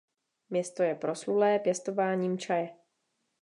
Město je proslulé pěstováním čaje.